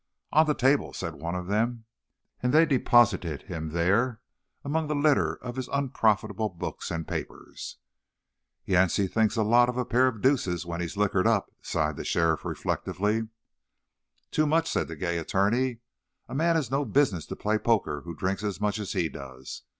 "On the table," said one of them, and they deposited him there among the litter of his unprofitable books and papers. "Yance thinks a lot of a pair of deuces when he's liquored up," sighed the sheriff reflectively. "Too much," said the gay attorney. "A man has no business to play poker who drinks as much as he does.